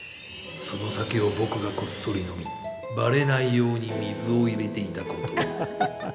その酒を僕がこっそり飲み、ばれないように水を入れていたことを。